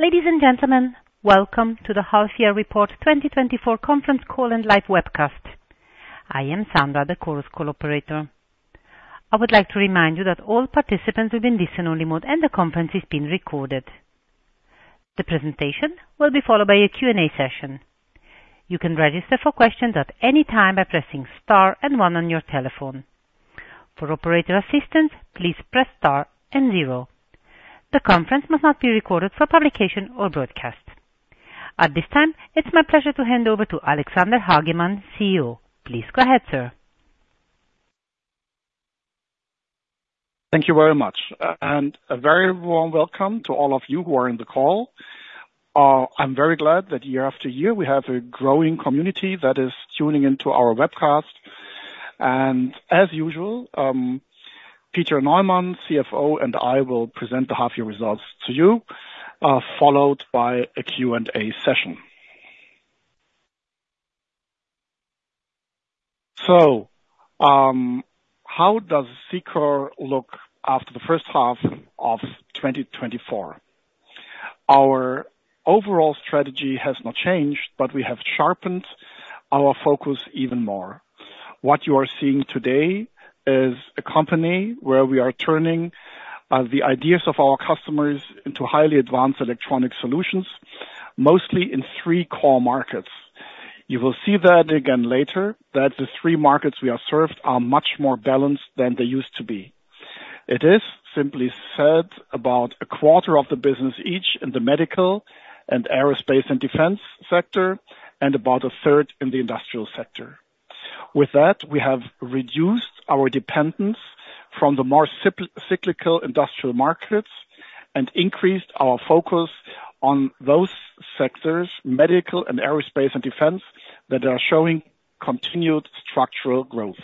Ladies and gentlemen, welcome to the Half-Year Report 2024 Conference Call and Live Webcast. I am Sandra, the Chorus Call operator. I would like to remind you that all participants will be in listen-only mode, and the conference is being recorded. The presentation will be followed by a Q&A session. You can register for questions at any time by pressing star and one on your telephone. For operator assistance, please press star and zero. The conference must not be recorded for publication or broadcast. At this time, it's my pleasure to hand over to Alexander Hagemann, CEO. Please go ahead, sir. Thank you very much, and a very warm welcome to all of you who are in the call. I'm very glad that year after year we have a growing community that is tuning into our webcast. And as usual, Peter Neumann, CFO, and I will present the half-year results to you, followed by a Q&A session. So, how does Cicor look after the first half of 2024? Our overall strategy has not changed, but we have sharpened our focus even more. What you are seeing today is a company where we are turning the ideas of our customers into highly advanced electronic solutions, mostly in three core markets. You will see that again later, that the three markets we are served are much more balanced than they used to be. It is simply said about a quarter of the business each in the medical and aerospace and defense sector, and about a third in the industrial sector. With that, we have reduced our dependence from the more cyclical industrial markets and increased our focus on those sectors, medical and aerospace and defense, that are showing continued structural growth.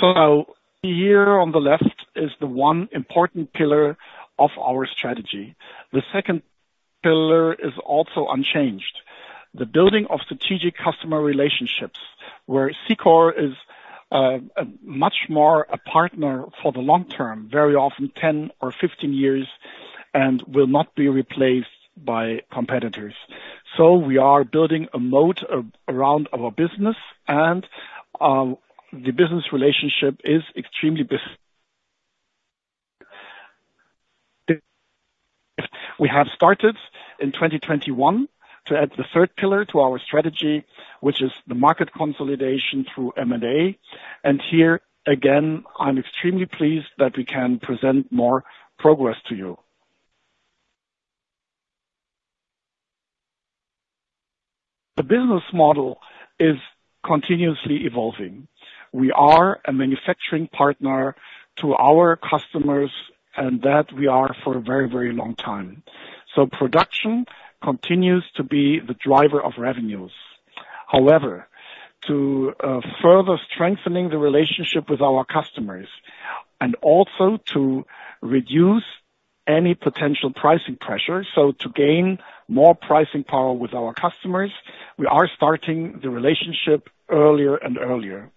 So, here on the left is the one important pillar of our strategy. The second pillar is also unchanged: the building of strategic customer relationships, where Cicor is much more a partner for the long term, very often 10 or 15 years, and will not be replaced by competitors. So, we are building a moat around our business, and the business relationship is extremely busy. We have started in 2021 to add the third pillar to our strategy, which is the market consolidation through M&A. And here, again, I'm extremely pleased that we can present more progress to you. The business model is continuously evolving. We are a manufacturing partner to our customers, and that we are for a very, very long time. So, production continues to be the driver of revenues. However, to further strengthen the relationship with our customers and also to reduce any potential pricing pressure, so to gain more pricing power with our customers, we are starting the relationship earlier and earlier.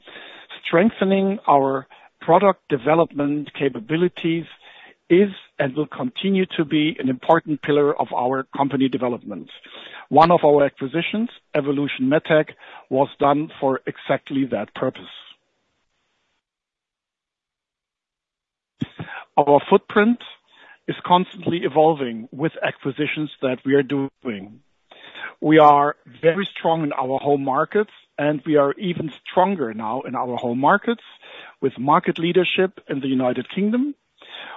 Strengthening our product development capabilities is and will continue to be an important pillar of our company development. One of our acquisitions, Evolution Medtec, was done for exactly that purpose. Our footprint is constantly evolving with acquisitions that we are doing. We are very strong in our home markets, and we are even stronger now in our home markets with market leadership in the United Kingdom,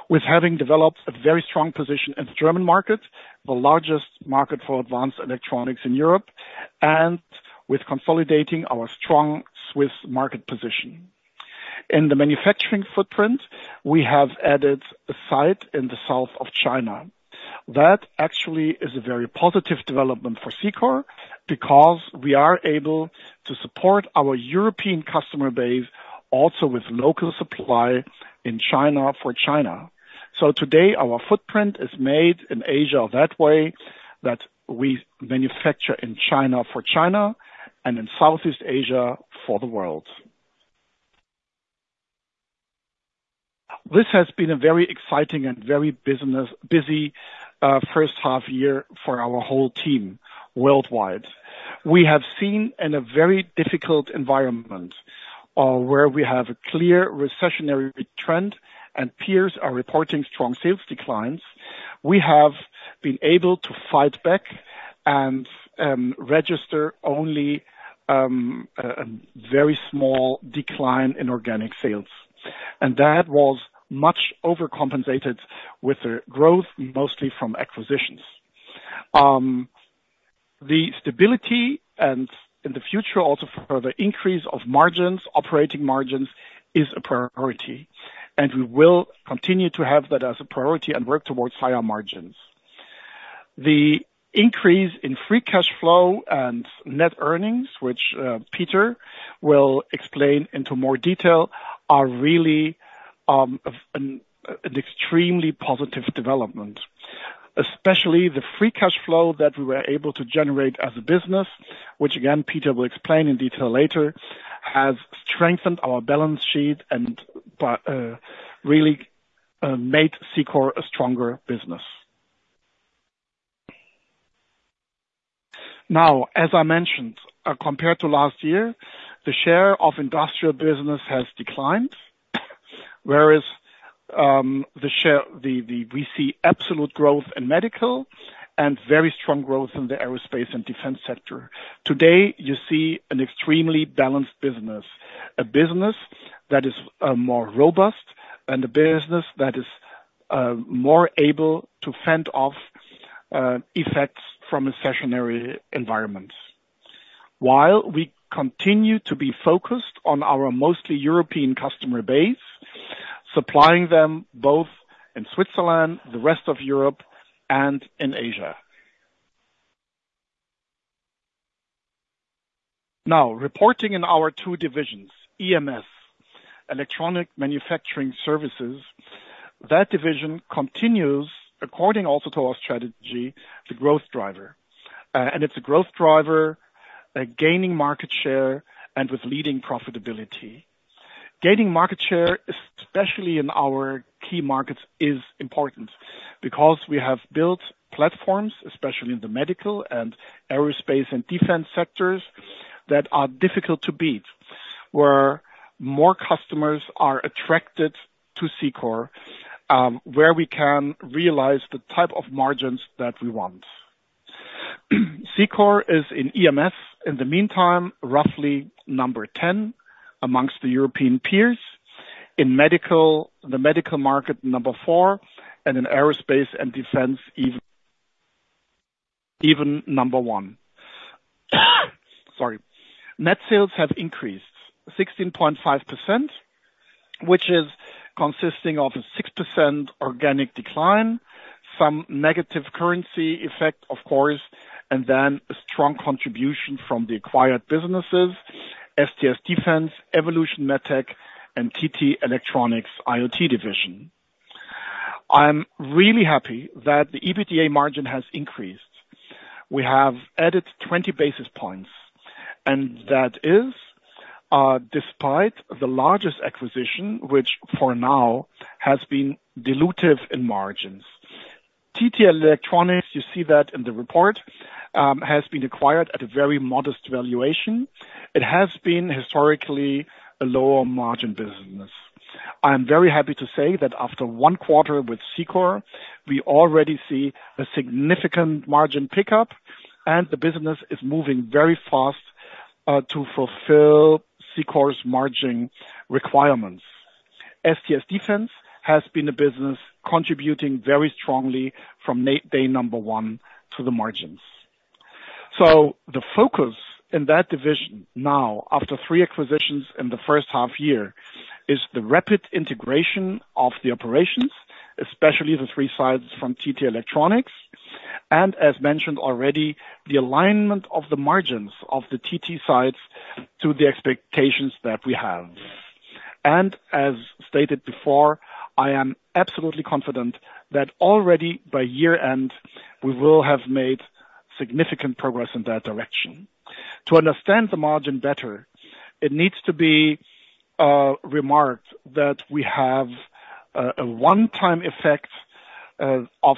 with having developed a very strong position in the German market, the largest market for advanced electronics in Europe, and with consolidating our strong Swiss market position. In the manufacturing footprint, we have added a site in the south of China. That actually is a very positive development for Cicor because we are able to support our European customer base also with local supply in China for China. So today, our footprint is made in Asia that way, that we manufacture in China for China and in Southeast Asia for the world. This has been a very exciting and very busy first half year for our whole team worldwide. We have seen in a very difficult environment where we have a clear recessionary trend and peers are reporting strong sales declines. We have been able to fight back and register only a very small decline in organic sales, and that was much overcompensated with growth mostly from acquisitions. The stability and in the future also further increase of margins, operating margins is a priority, and we will continue to have that as a priority and work towards higher margins. The increase in free cash flow and net earnings, which Peter will explain into more detail, are really an extremely positive development, especially the free cash flow that we were able to generate as a business, which again, Peter will explain in detail later, has strengthened our balance sheet and really made Cicor a stronger business. Now, as I mentioned, compared to last year, the share of industrial business has declined, whereas we see absolute growth in medical and very strong growth in the aerospace and defense sector. Today, you see an extremely balanced business, a business that is more robust and a business that is more able to fend off effects from a recessionary environment. While we continue to be focused on our mostly European customer base, supplying them both in Switzerland, the rest of Europe, and in Asia. Now, reporting on our two divisions, EMS, Electronic Manufacturing Services, that division continues, according also to our strategy, the growth driver. And it's a growth driver, gaining market share and with leading profitability. Gaining market share, especially in our key markets, is important because we have built platforms, especially in the medical and aerospace and defense sectors, that are difficult to beat, where more customers are attracted to Cicor, where we can realize the type of margins that we want. Cicor is in EMS, in the meantime, roughly number 10 amongst the European peers. In medical, the medical market number four, and in aerospace and defense, even number one. Sorry. Net sales have increased 16.5%, which is consisting of a 6% organic decline, some negative currency effect, of course, and then a strong contribution from the acquired businesses: STS Defence, Evolution Medtec, and TT Electronics IoT division. I'm really happy that the EBITDA margin has increased. We have added 20 basis points, and that is despite the largest acquisition, which for now has been dilutive in margins. TT Electronics, you see that in the report, has been acquired at a very modest valuation. It has been historically a lower margin business. I'm very happy to say that after one quarter with Cicor, we already see a significant margin pickup, and the business is moving very fast to fulfill Cicor's margin requirements. STS Defence has been a business contributing very strongly from day number 1 to the margins. So the focus in that division now, after three acquisitions in the first half year, is the rapid integration of the operations, especially the three sites from TT Electronics, and as mentioned already, the alignment of the margins of the TT sites to the expectations that we have. As stated before, I am absolutely confident that already by year-end, we will have made significant progress in that direction. To understand the margin better, it needs to be remarked that we have a one-time effect of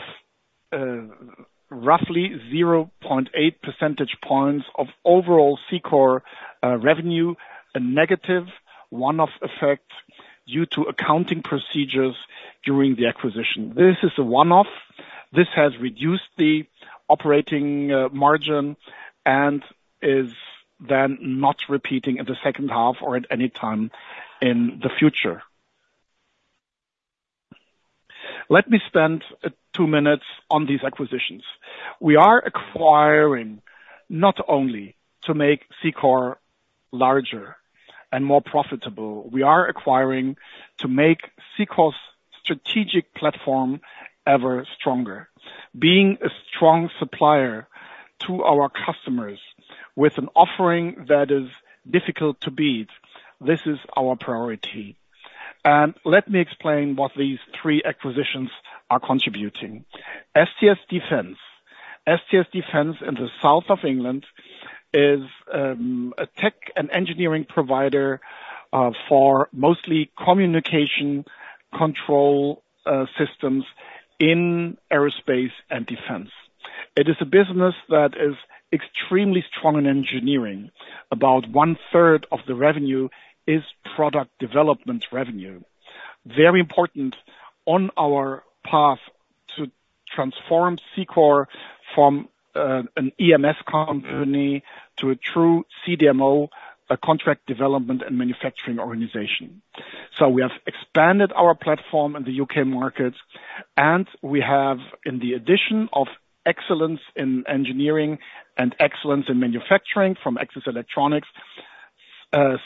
roughly 0.8 percentage points of overall Cicor revenue, a negative one-off effect due to accounting procedures during the acquisition. This is a one-off. This has reduced the operating margin and is then not repeating in the second half or at any time in the future. Let me spend two minutes on these acquisitions. We are acquiring not only to make Cicor larger and more profitable. We are acquiring to make Cicor's strategic platform ever stronger. Being a strong supplier to our customers with an offering that is difficult to beat, this is our priority. And let me explain what these three acquisitions are contributing. STS Defence. STS Defence in the south of England is a tech and engineering provider for mostly communication control systems in aerospace and defense. It is a business that is extremely strong in engineering. About one-third of the revenue is product development revenue. Very important on our path to transform Cicor from an EMS company to a true CDMO, a contract development and manufacturing organization. So we have expanded our platform in the U.K. market, and we have, in the addition of excellence in engineering and excellence in manufacturing from Axis Electronics,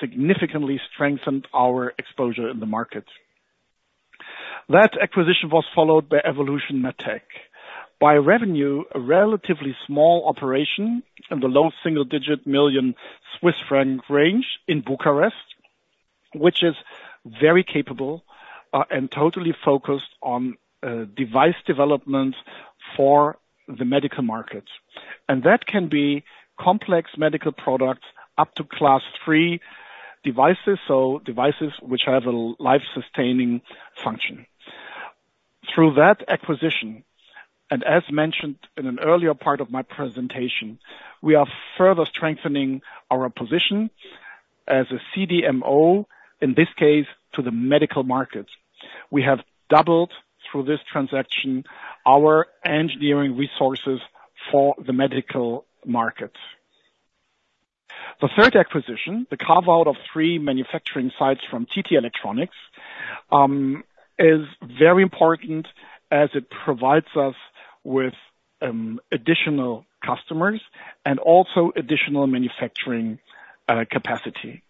significantly strengthened our exposure in the market. That acquisition was followed by Evolution Medtec. By revenue, a relatively small operation in the low single-digit million CHF range in Bucharest, which is very capable and totally focused on device development for the medical market. And that can be complex medical products up to Class III devices, so devices which have a life-sustaining function. Through that acquisition, and as mentioned in an earlier part of my presentation, we are further strengthening our position as a CDMO, in this case, to the medical market. We have doubled through this transaction our engineering resources for the medical market. The third acquisition, the carve-out of three manufacturing sites from TT Electronics, is very important as it provides us with additional customers and also additional manufacturing capacity.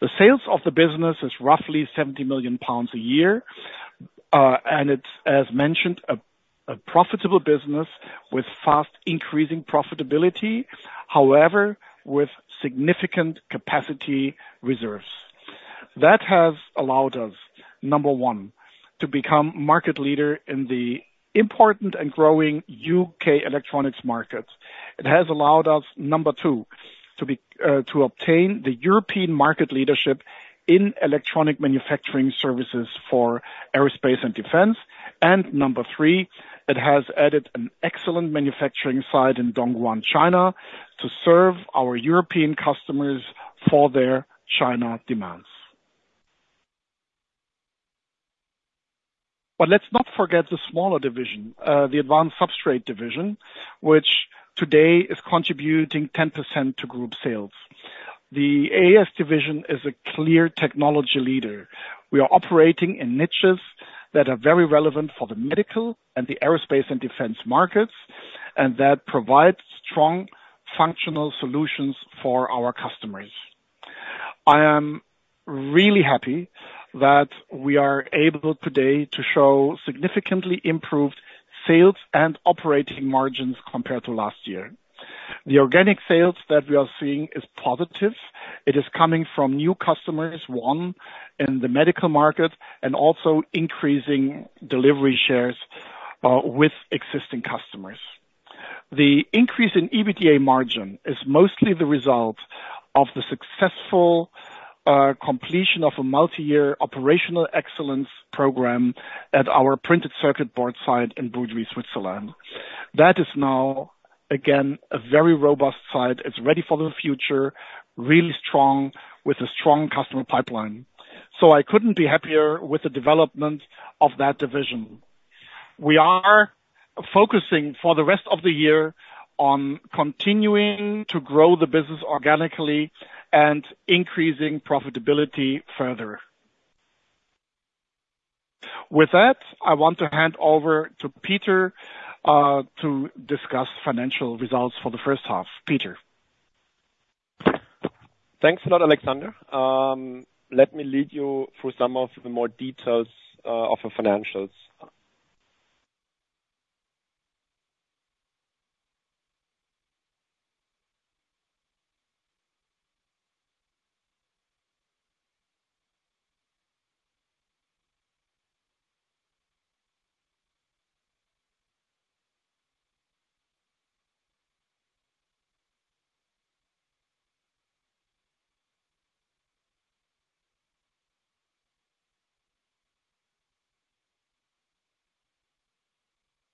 The sales of the business is roughly 70 million pounds a year, and it's, as mentioned, a profitable business with fast increasing profitability, however, with significant capacity reserves. That has allowed us, number one, to become market leader in the important and growing U.K. electronics market. It has allowed us, number two, to obtain the European market leadership in electronic manufacturing services for aerospace and defense. Number three, it has added an excellent manufacturing site in Dongguan, China, to serve our European customers for their China demands. Let's not forget the smaller division, the Advanced Substrates division, which today is contributing 10% to group sales. The AS division is a clear technology leader. We are operating in niches that are very relevant for the medical and the aerospace and defense markets, and that provides strong functional solutions for our customers. I am really happy that we are able today to show significantly improved sales and operating margins compared to last year. The organic sales that we are seeing is positive. It is coming from new customers, one, in the medical market and also increasing delivery shares with existing customers. The increase in EBITDA margin is mostly the result of the successful completion of a multi-year operational excellence program at our printed circuit board site in Boudry, Switzerland. That is now, again, a very robust site. It's ready for the future, really strong with a strong customer pipeline. So I couldn't be happier with the development of that division. We are focusing for the rest of the year on continuing to grow the business organically and increasing profitability further. With that, I want to hand over to Peter to discuss financial results for the first half. Peter. Thanks a lot, Alexander. Let me lead you through some of the more details of the financials.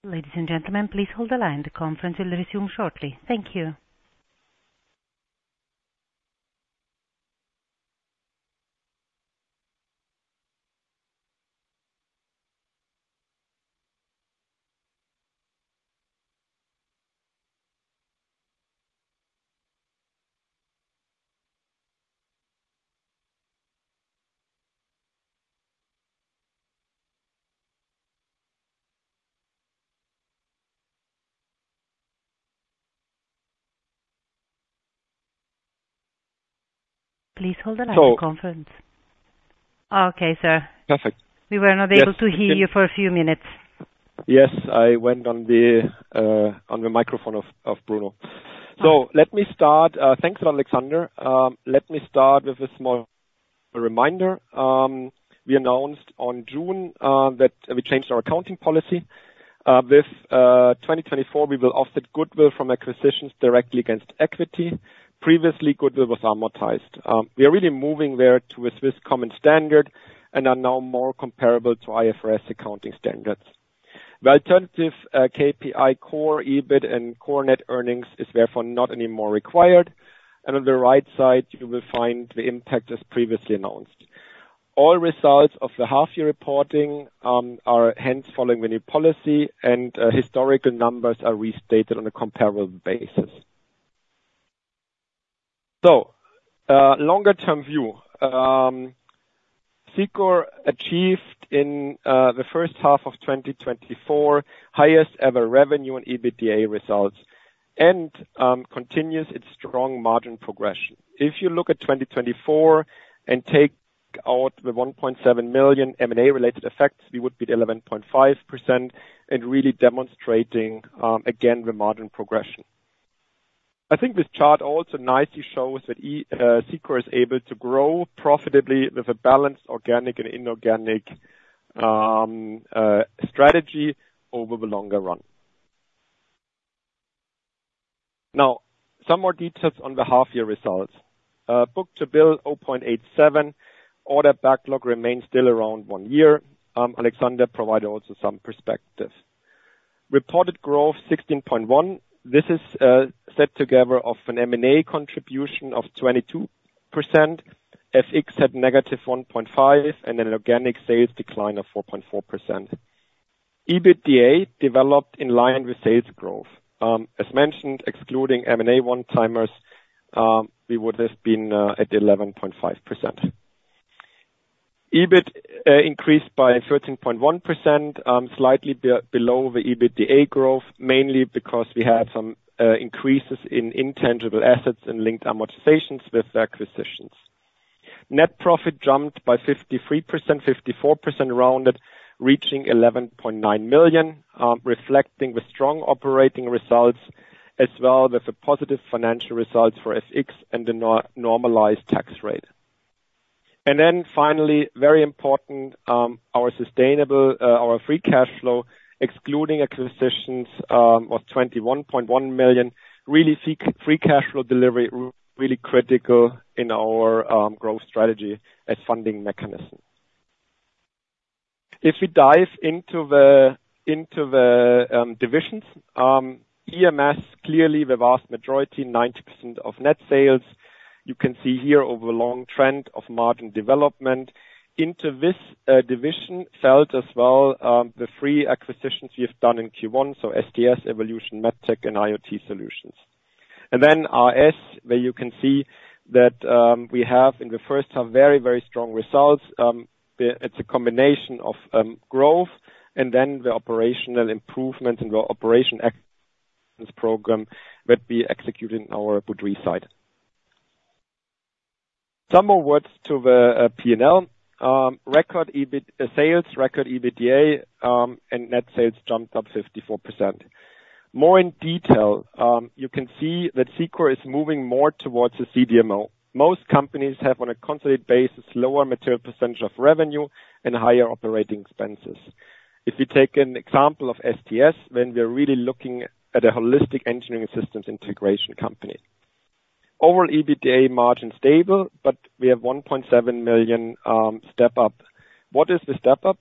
Ladies and gentlemen, please hold the line. The conference will resume shortly. Thank you. Please hold the line for the conference. Okay, sir. Perfect. We were not able to hear you for a few minutes. Yes, I went on the microphone of Bruno. So let me start. Thanks, Alexander. Let me start with a small reminder. We announced on June that we changed our accounting policy. With 2024, we will offset Goodwill from acquisitions directly against equity. Previously, Goodwill was amortized. We are really moving there to a Swiss common standard and are now more comparable to IFRS accounting standards. The alternative KPI, core EBIT, and core net earnings is therefore not anymore required. And on the right side, you will find the impact as previously announced. All results of the half-year reporting are hence following the new policy, and historical numbers are restated on a comparable basis. So longer-term view, Cicor achieved in the first half of 2024 highest-ever revenue in EBITDA results and continues its strong margin progression. If you look at 2024 and take out the 1.7 million M&A-related effects, we would be at 11.5% and really demonstrating, again, the margin progression. I think this chart also nicely shows that Cicor is able to grow profitably with a balanced organic and inorganic strategy over the longer run. Now, some more details on the half-year results. Book-to-bill 0.87. Order backlog remains still around one year. Alexander provided also some perspective. Reported growth 16.1%. This is set together of an M&A contribution of 22%, FX had -1.5%, and an organic sales decline of 4.4%. EBITDA developed in line with sales growth. As mentioned, excluding M&A one-timers, we would have been at 11.5%. EBIT increased by 13.1%, slightly below the EBITDA growth, mainly because we had some increases in intangible assets and linked amortizations with acquisitions. Net profit jumped by 53%, 54% rounded, reaching 11.9 million, reflecting the strong operating results as well with the positive financial results for FX and the normalized tax rate. Then finally, very important, our free cash flow, excluding acquisitions, was 21.1 million. Really, free cash flow delivery is really critical in our growth strategy as funding mechanism. If we dive into the divisions, EMS clearly the vast majority, 90% of net sales. You can see here over the long trend of margin development. Into this division felt as well the three acquisitions we have done in Q1, so STS, Evolution Medtec, and IoT Solutions. Then AS, where you can see that we have in the first half very, very strong results. It's a combination of growth and then the operational improvements and the operational acquisitions program that we executed in our Boudry site. Some more words to the P&L. Record sales, record EBITDA, and net sales jumped up 54%. More in detail, you can see that Cicor is moving more towards the CDMO. Most companies have on a consolidated basis lower material percentage of revenue and higher operating expenses. If we take an example of STS, then we are really looking at a holistic engineering systems integration company. Overall EBITDA margin stable, but we have 1.7 million step-up. What is the step-up?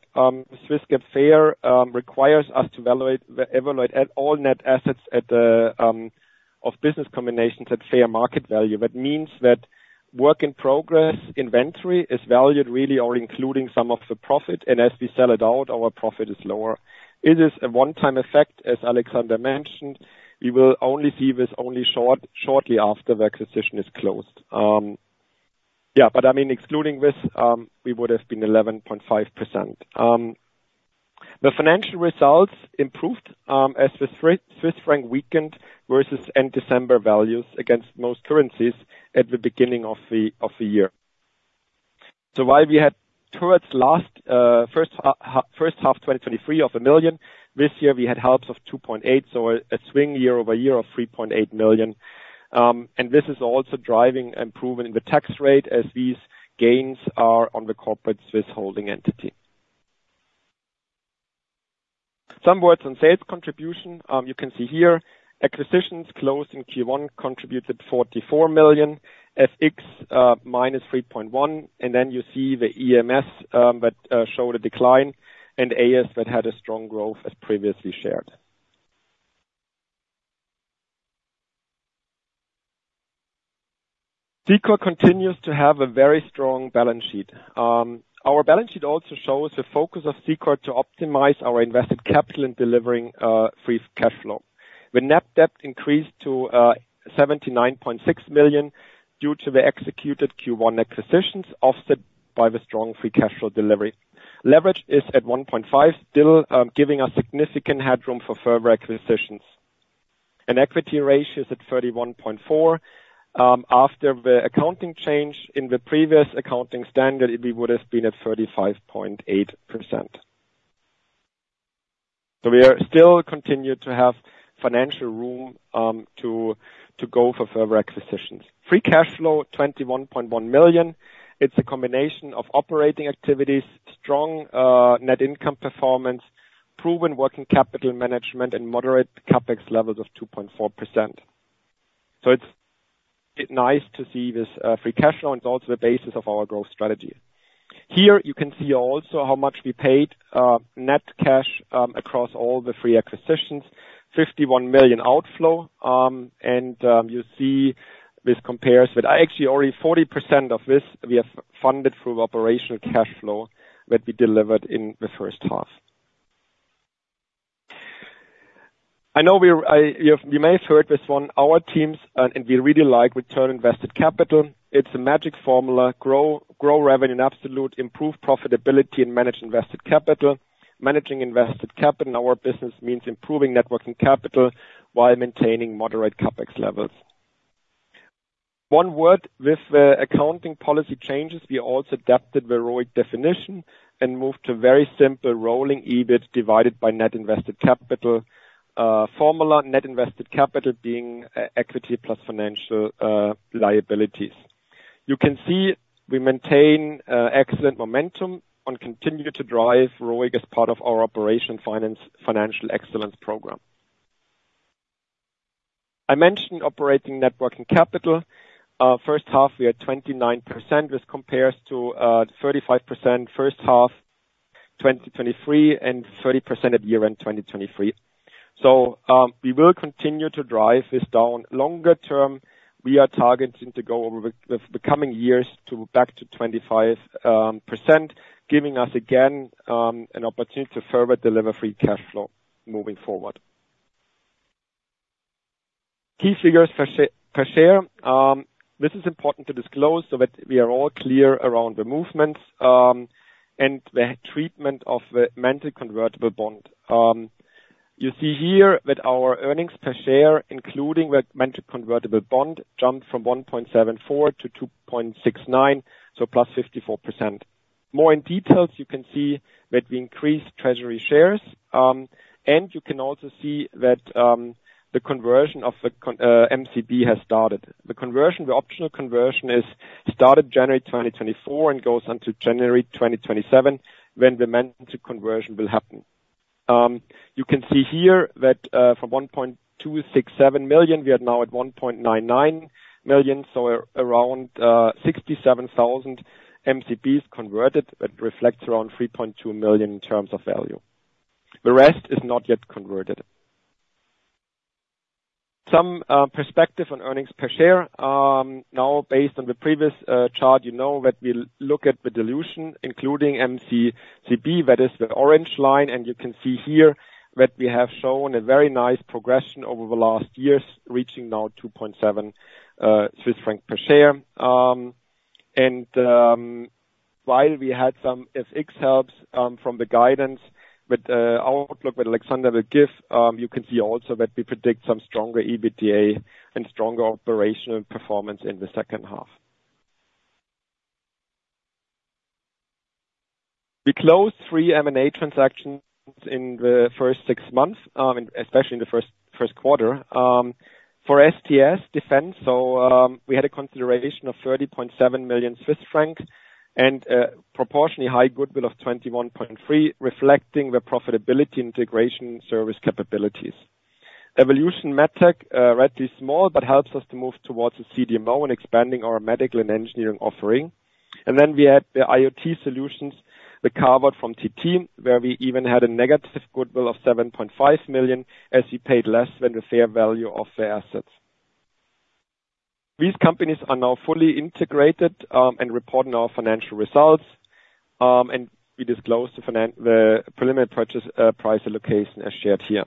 Swiss GAAP FER requires us to evaluate all net assets at the time of business combinations at fair market value. That means that work in progress inventory is valued at fair value including some of the profit, and as we sell it out, our profit is lower. It is a one-time effect, as Alexander mentioned. We will only see this only shortly after the acquisition is closed. Yeah, but I mean, excluding this, we would have been 11.5%. The financial results improved as the Swiss franc weakened versus end-December values against most currencies at the beginning of the year. So while we had towards last first half 2023 of 1 million, this year we had helps of 2.8 million, so a swing year-over-year of 3.8 million. And this is also driving improvement in the tax rate as these gains are on the corporate Swiss holding entity. Some words on sales contribution. You can see here, acquisitions closed in Q1 contributed 44 million, FX -3.1 million, and then you see the EMS that showed a decline and AS that had a strong growth as previously shared. Cicor continues to have a very strong balance sheet. Our balance sheet also shows the focus of Cicor to optimize our invested capital in delivering free cash flow. The net debt increased to 79.6 million due to the executed Q1 acquisitions offset by the strong free cash flow delivery. Leverage is at 1.5, still giving us significant headroom for further acquisitions. Equity ratio is at 31.4. After the accounting change in the previous accounting standard, we would have been at 35.8%. We still continue to have financial room to go for further acquisitions. Free cash flow, 21.1 million. It's a combination of operating activities, strong net income performance, proven working capital management, and moderate CapEx levels of 2.4%. It's nice to see this free cash flow. It's also the basis of our growth strategy. Here, you can see also how much we paid net cash across all the three acquisitions, 51 million outflow, and you see this compares with actually already 40% of this we have funded through operational cash flow that we delivered in the first half. I know you may have heard this one. Our teams, and we really like return on invested capital. It's a magic formula. Grow revenue in absolute, improve profitability, and manage invested capital. Managing invested capital in our business means improving net working capital while maintaining moderate CapEx levels. One word, with the accounting policy changes, we also adapted the ROIC definition and moved to a very simple rolling EBIT divided by net invested capital formula, net invested capital being equity plus financial liabilities. You can see we maintain excellent momentum and continue to drive ROIC as part of our operational financial excellence program. I mentioned operating net working capital. First half, we are at 29%, which compares to 35% first half 2023 and 30% at year-end 2023. So we will continue to drive this down. Longer term, we are targeting to go over the coming years back to 25%, giving us again an opportunity to further deliver free cash flow moving forward. Key figures per share. This is important to disclose so that we are all clear around the movements and the treatment of the mandatory convertible bond. You see here that our earnings per share, including the mandatory convertible bond, jumped from 1.74-2.69, so +54%. More in detail, you can see that we increased treasury shares, and you can also see that the conversion of the MCB has started. The conversion, the optional conversion, has started January 2024 and goes until January 2027 when the mandatory conversion will happen. You can see here that from 1.267 million, we are now at 1.99 million, so around 67,000 MCBs converted, that reflects around 3.2 million in terms of value. The rest is not yet converted. Some perspective on earnings per share. Now, based on the previous chart, you know that we look at the dilution, including MCB, that is the orange line, and you can see here that we have shown a very nice progression over the last years, reaching now 2.7 Swiss franc per share. And while we had some FX helps from the guidance with the outlook that Alexander will give, you can see also that we predict some stronger EBITDA and stronger operational performance in the second half. We closed three M&A transactions in the first six months, especially in the first quarter. For STS Defence, we had a consideration of 30.7 million Swiss francs and a proportionally high goodwill of 21.3 million, reflecting the profitability, integration, and service capabilities. Evolution Medtec, relatively small, but helps us to move towards a CDMO and expanding our medical and engineering offering. And then we had the IoT Solutions, the carve-out from TT, where we even had a negative goodwill of 7.5 million as we paid less than the fair value of the assets. These companies are now fully integrated and reporting our financial results, and we disclose the preliminary purchase price allocation as shared here.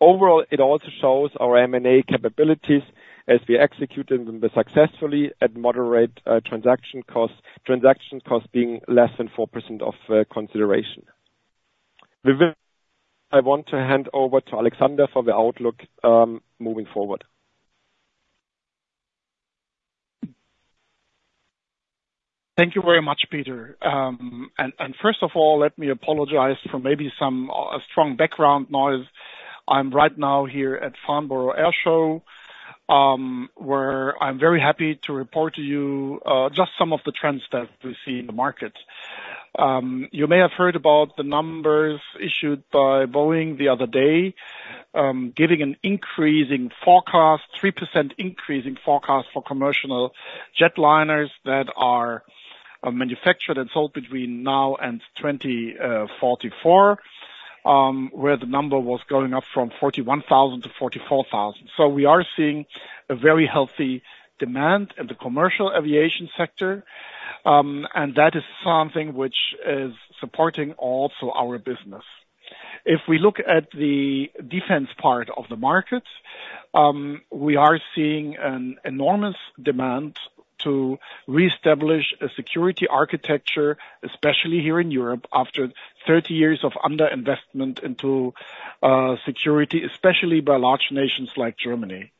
Overall, it also shows our M&A capabilities as we executed them successfully at moderate transaction costs, transaction costs being less than 4% of consideration. I want to hand over to Alexander for the outlook moving forward. Thank you very much, Peter. First of all, let me apologize for maybe some strong background noise. I'm right now here at Farnborough Airshow, where I'm very happy to report to you just some of the trends that we see in the market. You may have heard about the numbers issued by Boeing the other day, giving an increasing forecast, 3% increasing forecast for commercial jetliners that are manufactured and sold between now and 2044, where the number was going up from 41,000-44,000. So we are seeing a very healthy demand in the commercial aviation sector, and that is something which is supporting also our business. If we look at the defense part of the market, we are seeing an enormous demand to reestablish a security architecture, especially here in Europe after 30 years of underinvestment into security, especially by large nations like Germany.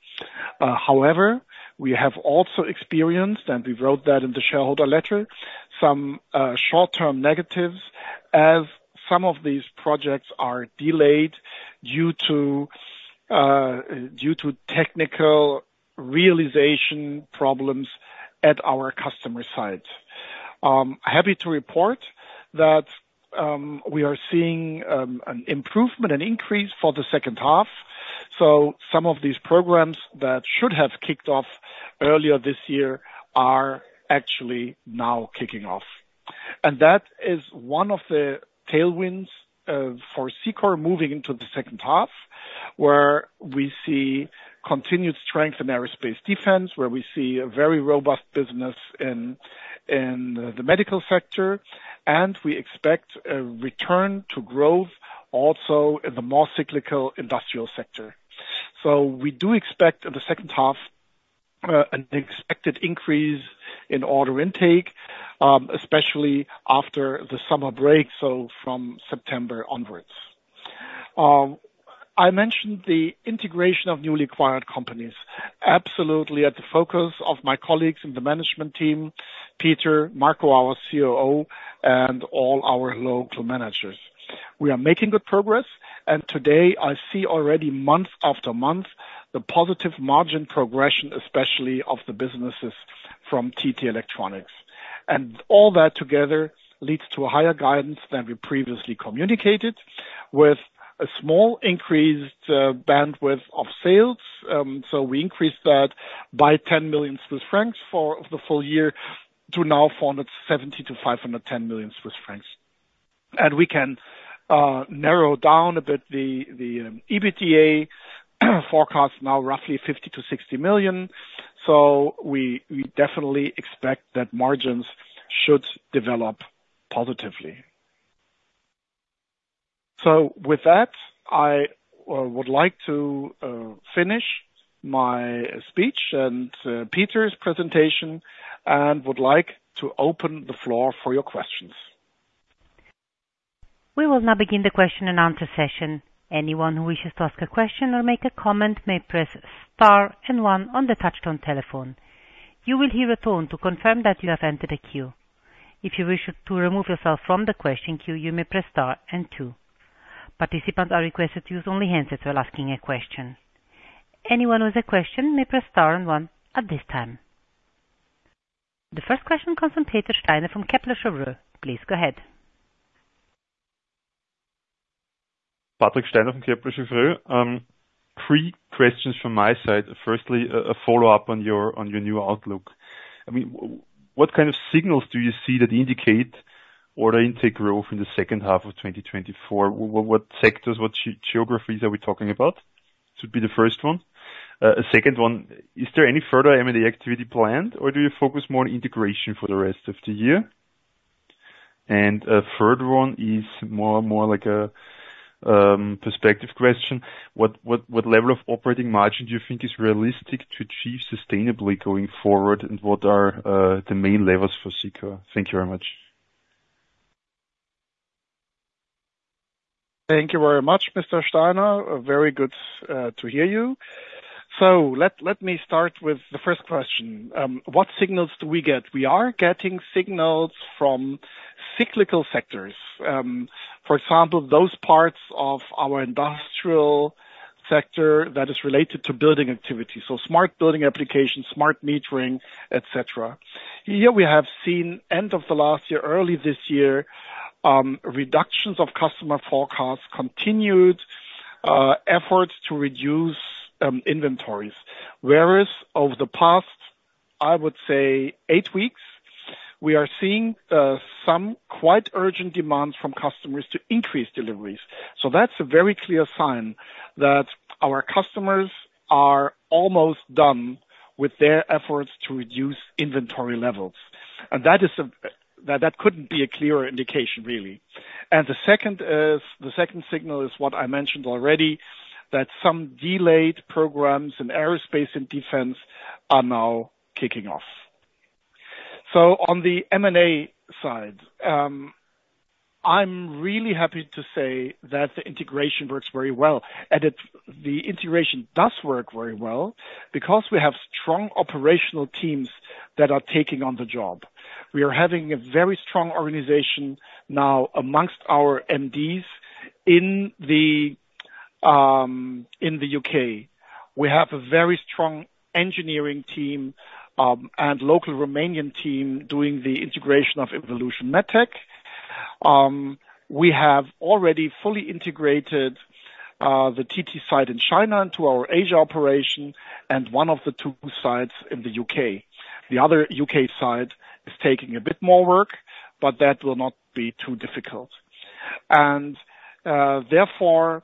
However, we have also experienced, and we wrote that in the shareholder letter, some short-term negatives as some of these projects are delayed due to technical realization problems at our customer site. Happy to report that we are seeing an improvement, an increase for the second half. So some of these programs that should have kicked off earlier this year are actually now kicking off. And that is one of the tailwinds for Cicor moving into the second half, where we see continued strength in aerospace defense, where we see a very robust business in the medical sector, and we expect a return to growth also in the more cyclical industrial sector. So we do expect in the second half an expected increase in order intake, especially after the summer break, so from September onwards. I mentioned the integration of newly acquired companies. Absolutely at the focus of my colleagues in the management team, Peter, Marco, our COO, and all our local managers. We are making good progress, and today I see already month after month the positive margin progression, especially of the businesses from TT Electronics. And all that together leads to a higher guidance than we previously communicated, with a small increased bandwidth of sales. So we increased that by 10 million Swiss francs for the full year to now 470 million-510 million Swiss francs. And we can narrow down a bit the EBITDA forecast now roughly 50 million-60 million. So we definitely expect that margins should develop positively. So with that, I would like to finish my speech and Peter's presentation and would like to open the floor for your questions. We will now begin the question and answer session. Anyone who wishes to ask a question or make a comment may press star and one on the touch-tone telephone. You will hear a tone to confirm that you have entered a queue. If you wish to remove yourself from the question queue, you may press star and two. Participants are requested to use only handsets while asking a question. Anyone with a question may press star and one at this time. The first question comes from Patrick Steiner from Kepler Cheuvreux. Please go ahead. Patrick Steiner from Kepler Cheuvreux. Three questions from my side. Firstly, a follow-up on your new outlook. I mean, what kind of signals do you see that indicate order intake growth in the second half of 2024? What sectors, what geographies are we talking about? It should be the first one. A second one, is there any further M&A activity planned, or do you focus more on integration for the rest of the year? And a third one is more like a perspective question. What level of operating margin do you think is realistic to achieve sustainably going forward, and what are the main levels for Cicor? Thank you very much. Thank you very much, Mr. Steiner. Very good to hear you. So let me start with the first question. What signals do we get? We are getting signals from cyclical sectors. For example, those parts of our industrial sector that is related to building activity, so smart building applications, smart metering, etc. Here, we have seen end of the last year, early this year, reductions of customer forecasts, continued efforts to reduce inventories. Whereas over the past, I would say, eight weeks, we are seeing some quite urgent demands from customers to increase deliveries. So that's a very clear sign that our customers are almost done with their efforts to reduce inventory levels. And that couldn't be a clearer indication, really. And the second signal is what I mentioned already, that some delayed programs in aerospace and defense are now kicking off. So on the M&A side, I'm really happy to say that the integration works very well. And the integration does work very well because we have strong operational teams that are taking on the job. We are having a very strong organization now amongst our MDs in the U.K. We have a very strong engineering team and local Romanian team doing the integration of Evolution Medtec. We have already fully integrated the TT site in China into our Asia operation and one of the two sites in the U.K. The other U.K. site is taking a bit more work, but that will not be too difficult. And therefore,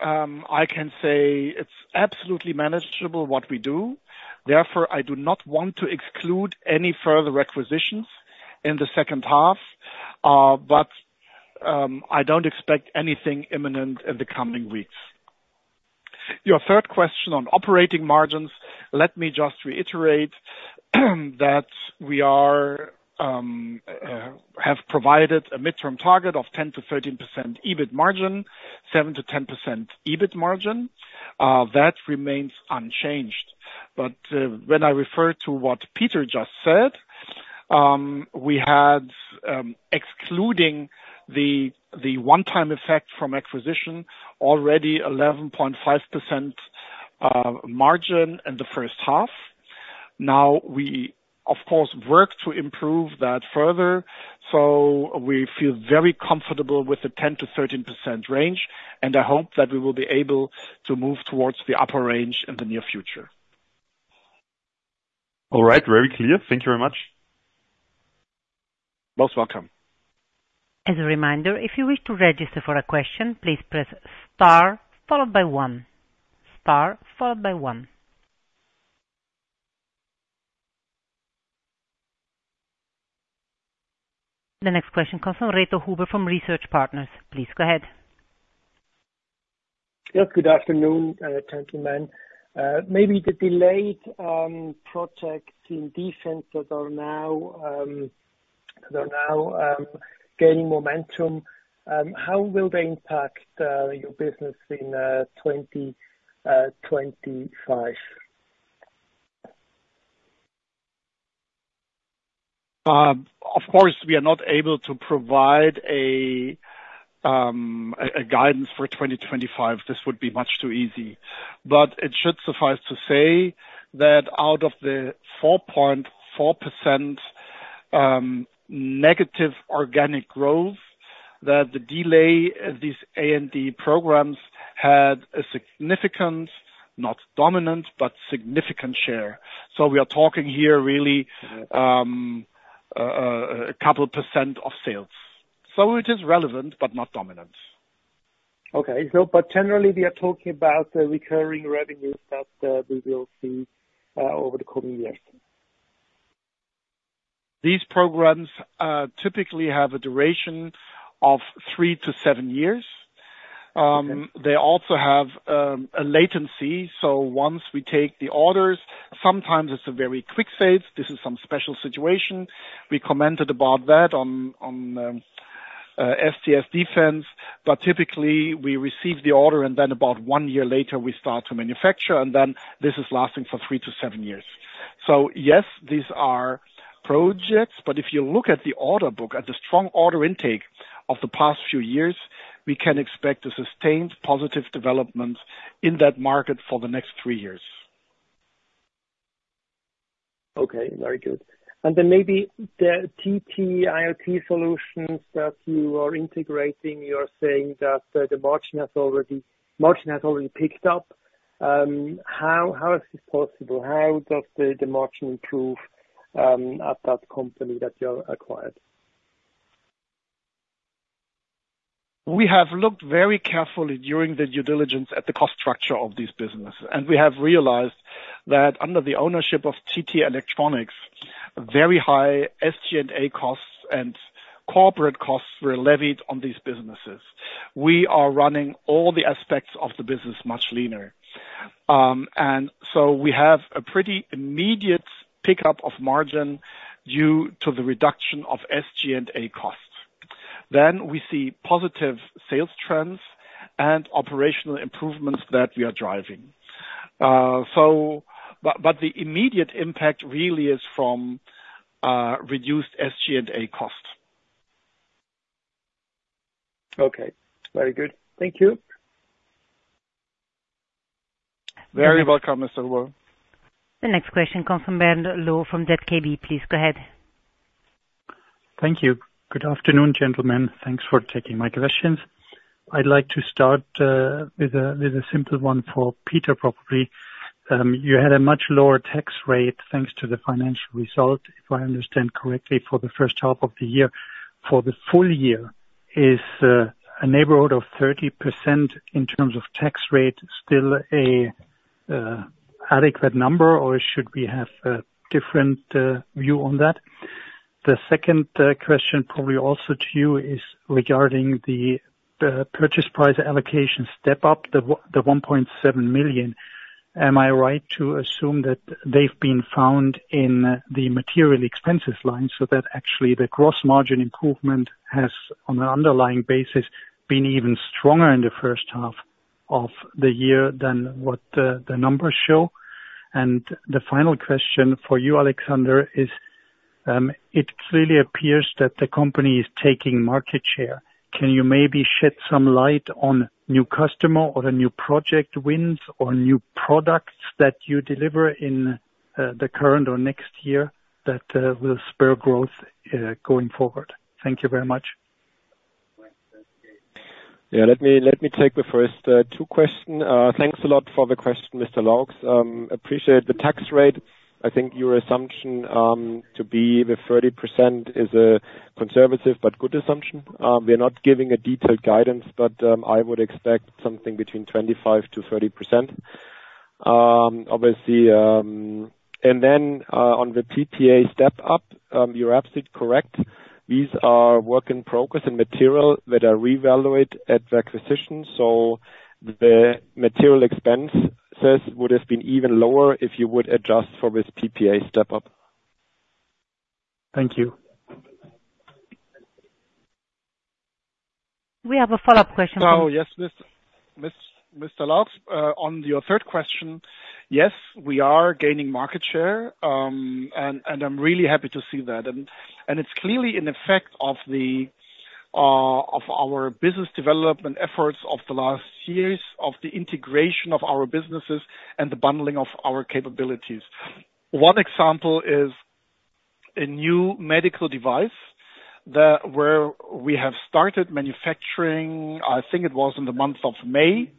I can say it's absolutely manageable what we do. Therefore, I do not want to exclude any further acquisitions in the second half, but I don't expect anything imminent in the coming weeks. Your third question on operating margins, let me just reiterate that we have provided a midterm target of 10%-13% EBIT margin, 7%-10% EBIT margin. That remains unchanged. But when I refer to what Peter just said, we had, excluding the one-time effect from acquisition, already 11.5% margin in the first half. Now, we, of course, work to improve that further, so we feel very comfortable with the 10%-13% range, and I hope that we will be able to move towards the upper range in the near future. All right. Very clear. Thank you very much. Most welcome. As a reminder, if you wish to register for a question, please press star followed by one. Star followed by one. The next question comes from Reto Huber from Research Partners. Please go ahead. Yes, good afternoon, gentlemen. Maybe the delayed projects in defense that are now gaining momentum, how will they impact your business in 2025? Of course, we are not able to provide a guidance for 2025. This would be much too easy. But it should suffice to say that out of the 4.4% negative organic growth, that the delay in these A&D programs had a significant, not dominant, but significant share. So we are talking here really a couple percent of sales. So it is relevant, but not dominant. Okay. But generally, we are talking about the recurring revenues that we will see over the coming years. These programs typically have a duration of three to seven years. They also have a latency. So once we take the orders, sometimes it is a very quick sale. This is some special situation. We commented about that on STS Defence. But typically, we receive the order, and then about one year later, we start to manufacture. And then this is lasting for three to seven years. So yes, these are projects. But if you look at the order book and the strong order intake of the past few years, we can expect a sustained positive development in that market for the next three years. Okay. Very good. And then maybe the TT IoT Solutions that you are integrating, you're saying that the margin has already picked up. How is this possible? How does the margin improve at that company that you've acquired? We have looked very carefully during the due diligence at the cost structure of these businesses. And we have realized that under the ownership of TT Electronics, very high SG&A costs and corporate costs were levied on these businesses. We are running all the aspects of the business much leaner. And so we have a pretty immediate pickup of margin due to the reduction of SG&A costs. Then we see positive sales trends and operational improvements that we are driving. But the immediate impact really is from reduced SG&A costs. Okay. Very good. Thank you. Very welcome, Mr. Reto. The next question comes from Bernd Laux from ZKB. Please go ahead. Thank you. Good afternoon, gentlemen. Thanks for taking my questions. I'd like to start with a simple one for Peter probably. You had a much lower tax rate thanks to the financial result, if I understand correctly, for the first half of the year. For the full year, is a neighborhood of 30% in terms of tax rate still an adequate number, or should we have a different view on that? The second question probably also to you is regarding the purchase price allocation step-up, the 1.7 million. Am I right to assume that they've been found in the material expenses line so that actually the gross margin improvement has on an underlying basis been even stronger in the first half of the year than what the numbers show? And the final question for you, Alexander, is it clearly appears that the company is taking market share. Can you maybe shed some light on new customer or a new project wins or new products that you deliver in the current or next year that will spur growth going forward? Thank you very much. Yeah. Let me take the first two questions. Thanks a lot for the question, Mr. Laux. Appreciate the tax rate. I think your assumption to be the 30% is a conservative but good assumption. We are not giving a detailed guidance, but I would expect something between 25%-30%, obviously. And then on the PPA step-up, you're absolutely correct. These are work in progress and material that are reevaluated at the acquisition. So the material expenses would have been even lower if you would adjust for this PPA step-up. Thank you. We have a follow-up question. Oh, yes, Mr. Laux. On your third question, yes, we are gaining market share. And I'm really happy to see that. And it's clearly an effect of our business development efforts of the last years of the integration of our businesses and the bundling of our capabilities. One example is a new medical device that we have started manufacturing. I think it was in the month of May.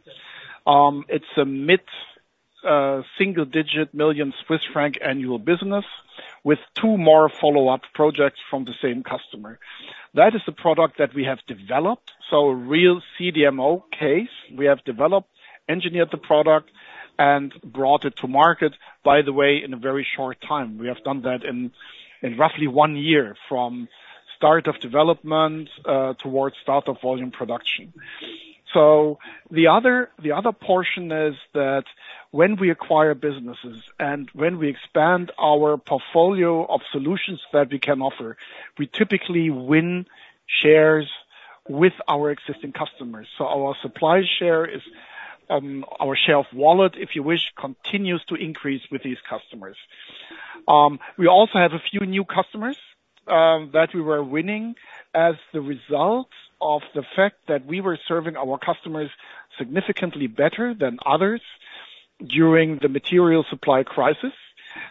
It's a CHF mid-single-digit million annual business with two more follow-up projects from the same customer. That is a product that we have developed. So a real CDMO case. We have developed, engineered the product, and brought it to market, by the way, in a very short time. We have done that in roughly one year from start of development toward start of volume production. So the other portion is that when we acquire businesses and when we expand our portfolio of solutions that we can offer, we typically win shares with our existing customers. So our supply share is our share of wallet, if you wish, continues to increase with these customers. We also have a few new customers that we were winning as the result of the fact that we were serving our customers significantly better than others during the material supply crisis.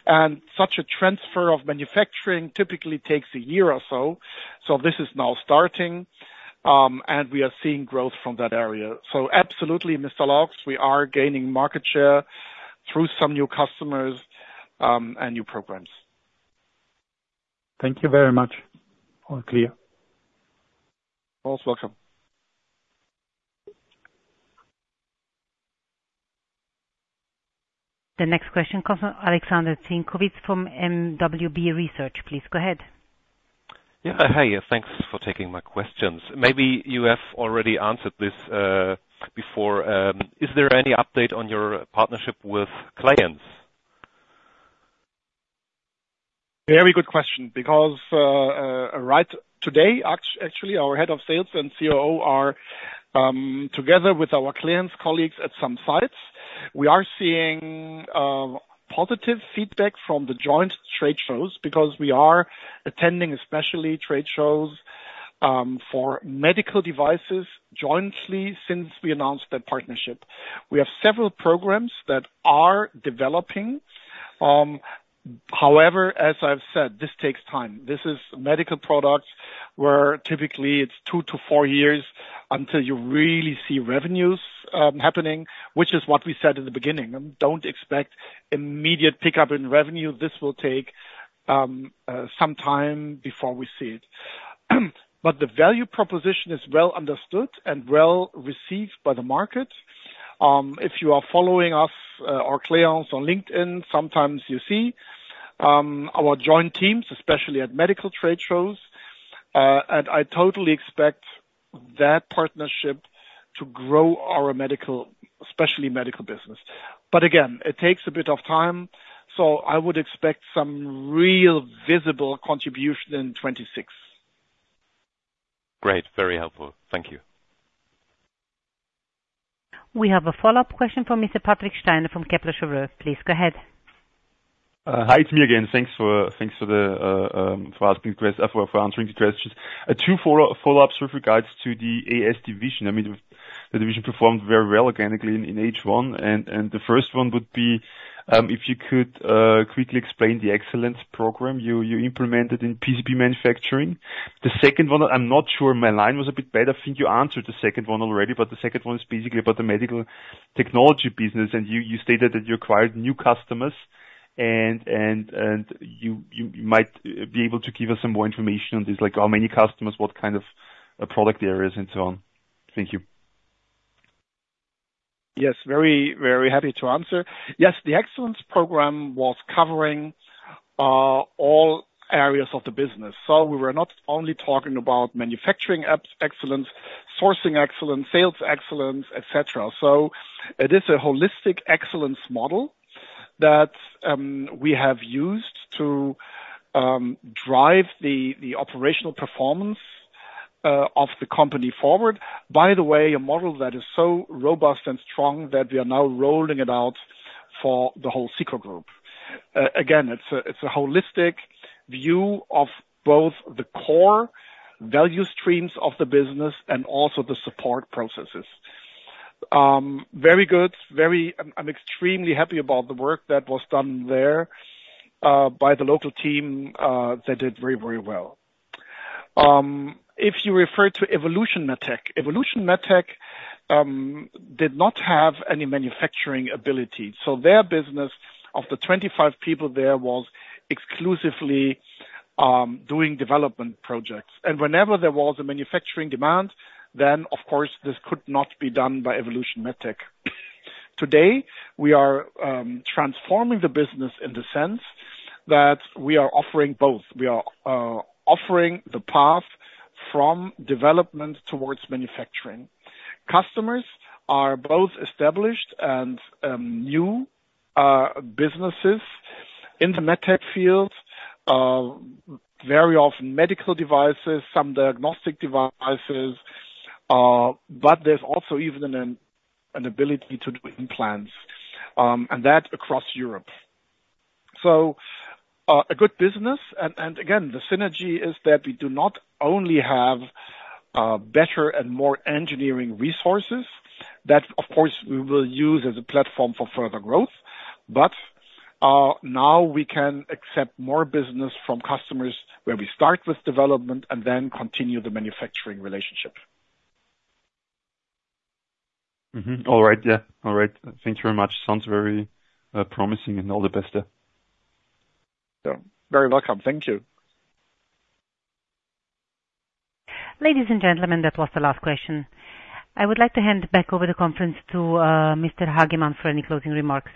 And such a transfer of manufacturing typically takes a year or so. So this is now starting, and we are seeing growth from that area. So absolutely, Mr. Laux, we are gaining market share through some new customers and new programs. Thank you very much. All clear. Most welcome. The next question comes from Alexander Zienkowicz from mwb research. Please go ahead. Yeah. Hey, thanks for taking my questions. Maybe you have already answered this before. Is there any update on your partnership with Clayens? Very good question because right today, actually, our head of sales and COO are together with our Clayens' colleagues at some sites. We are seeing positive feedback from the joint trade shows because we are attending especially trade shows for medical devices jointly since we announced that partnership. We have several programs that are developing. However, as I've said, this takes time. This is medical products where typically it's two to four years until you really see revenues happening, which is what we said in the beginning. Don't expect immediate pickup in revenue. This will take some time before we see it. The value proposition is well understood and well received by the market. If you are following us or Clayens on LinkedIn, sometimes you see our joint teams, especially at medical trade shows. I totally expect that partnership to grow our medical, especially medical business. But again, it takes a bit of time. I would expect some real visible contribution in 2026. Great. Very helpful. Thank you. We have a follow-up question from Mr. Patrick Steiner from Kepler Cheuvreux. Please go ahead. Hi, it's me again. Thanks for asking for answering the questions. Two follow-ups with regards to the AS division. I mean, the division performed very well organically in H1. The first one would be if you could quickly explain the excellence program you implemented in PCB manufacturing. The second one, I'm not sure my line was a bit better. I think you answered the second one already, but the second one is basically about the medical technology business. You stated that you acquired new customers. You might be able to give us some more information on this, like how many customers, what kind of product areas, and so on. Thank you. Yes. Very, very happy to answer. Yes, the excellence program was covering all areas of the business. We were not only talking about manufacturing excellence, sourcing excellence, sales excellence, etc. It is a holistic excellence model that we have used to drive the operational performance of the company forward. By the way, a model that is so robust and strong that we are now rolling it out for the whole Cicor Group. Again, it's a holistic view of both the core value streams of the business and also the support processes. Very good. I'm extremely happy about the work that was done there by the local team that did very, very well. If you refer to Evolution Medtec, Evolution Medtec did not have any manufacturing ability. So their business of the 25 people there was exclusively doing development projects. And whenever there was a manufacturing demand, then, of course, this could not be done by Evolution Medtec. Today, we are transforming the business in the sense that we are offering both. We are offering the path from development towards manufacturing. Customers are both established and new businesses in the med tech field, very often medical devices, some diagnostic devices, but there's also even an ability to do implants, and that across Europe. So a good business. And again, the synergy is that we do not only have better and more engineering resources that, of course, we will use as a platform for further growth, but now we can accept more business from customers where we start with development and then continue the manufacturing relationship. All right. Yeah. All right. Thank you very much. Sounds very promising and all the best there. Very welcome. Thank you. Ladies and gentlemen, that was the last question. I would like to hand back over the conference to Mr. Hagemann for any closing remarks.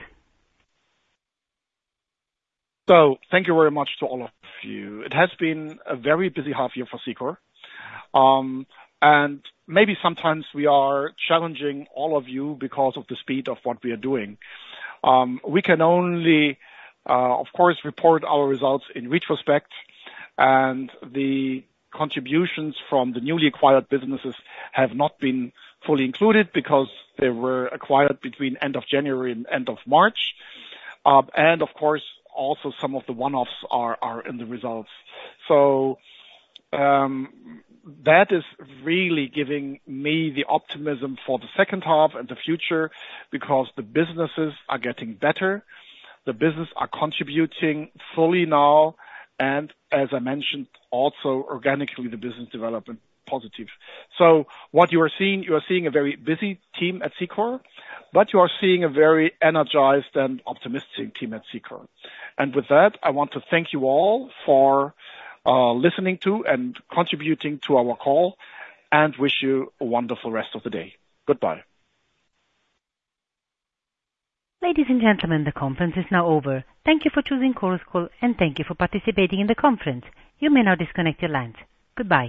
So thank you very much to all of you. It has been a very busy half year for Cicor. And maybe sometimes we are challenging all of you because of the speed of what we are doing. We can only, of course, report our results in retrospect. The contributions from the newly acquired businesses have not been fully included because they were acquired between end of January and end of March. Of course, also some of the one-offs are in the results. So that is really giving me the optimism for the second half and the future because the businesses are getting better. The business are contributing fully now. As I mentioned, also organically, the business development is positive. So what you are seeing, you are seeing a very busy team at Cicor, but you are seeing a very energized and optimistic team at Cicor. With that, I want to thank you all for listening to and contributing to our call and wish you a wonderful rest of the day. Goodbye. Ladies and gentlemen, the conference is now over. Thank you for choosing Chorus Call and thank you for participating in the conference. You may now disconnect your lines. Goodbye.